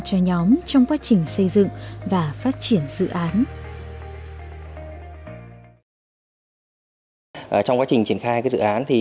cho nhóm trong quá trình xây dựng và phát triển dự án trong quá trình triển khai cái dự án thì